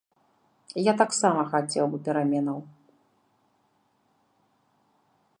Я таксама хацеў бы пераменаў.